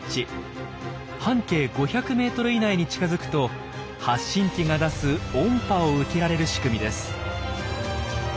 半径５００メートル以内に近づくと発信器が出す音波を受けられる仕組みです。